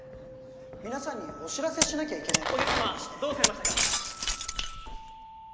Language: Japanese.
皆さんにお知らせしなきゃいけないことがありましてお客様どうされましたか？